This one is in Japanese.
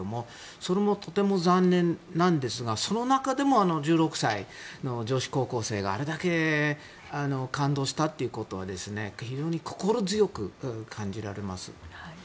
それもとても残念なんですがその中でも１６歳の女子高校生があれだけ感動したということは非常に心強く感じられます。